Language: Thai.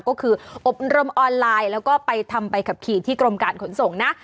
ก็คืออบรมออนไลน์แล้วก็ไปทำใบขับขี่ที่กรมการขนส่งนะ